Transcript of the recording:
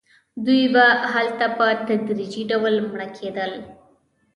دوی به هلته په تدریجي ډول مړه کېدل.